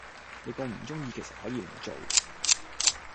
你咁唔鐘意其實可以唔做